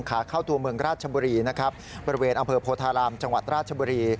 ขาเข้าตัวเมืองราชบุรีนะครับบริเวณอำเภอโพธารามจังหวัดราชบุรี